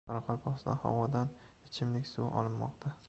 Qoraqalpog‘istonda havodan ichimlik suvi olinmoqda